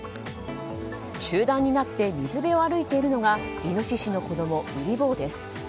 集団になって水辺を歩いているのがイノシシの子供、うり坊です。